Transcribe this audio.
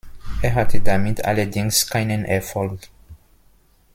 Er hatte damit allerdings keinen Erfolg.